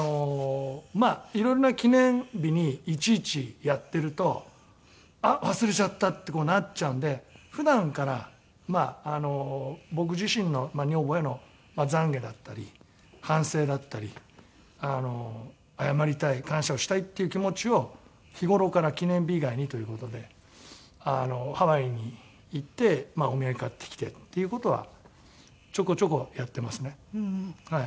まあいろんな記念日にいちいちやってるとあっ忘れちゃった！ってなっちゃうんで普段からまあ僕自身の女房への懺悔だったり反省だったり謝りたい感謝をしたいっていう気持ちを日頃から記念日以外にという事でハワイに行ってお土産買ってきてっていう事はちょこちょこやってますねはい。